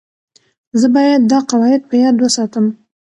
زه باید دا قواعد په یاد وساتم.